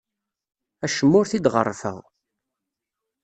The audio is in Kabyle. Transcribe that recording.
Acemma ur t-id-ɣerrfeɣ.